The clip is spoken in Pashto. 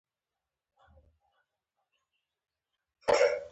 منقدین یې د فردوسي شعر نه بولي.